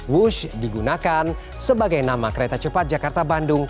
wush digunakan sebagai nama kereta cepat jakarta bandung